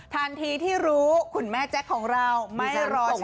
ทันทีที่รู้คุณแม่แจ๊คของเราไม่รอชม